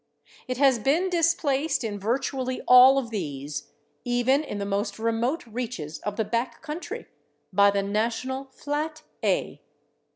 It has been displaced in virtually all of these, even in the most remote reaches of the back country, [Pg174] by the national flat /a